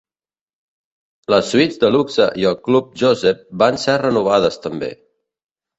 Les suites de luxe i el Club Joseph van ser renovades també.